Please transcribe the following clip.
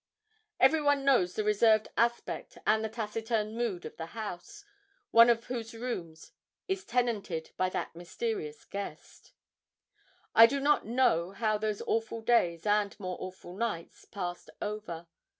Everyone knows the reserved aspect and the taciturn mood of the house, one of whose rooms is tenanted by that mysterious guest. I do not know how those awful days, and more awful nights, passed over.